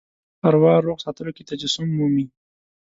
اروا روغ ساتلو کې تجسم مومي.